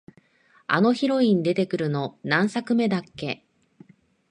あのヒロイン出てくるの、何作目だっけ？